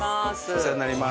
お世話になります。